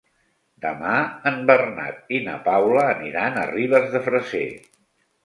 Demà en Bernat i na Paula aniran a Ribes de Freser.